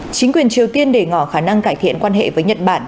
chính quyền triều tiên để ngỏ khả năng cải thiện quan hệ với nhật bản